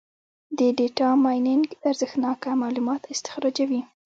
د ډیټا مایننګ ارزښتناکه معلومات استخراجوي.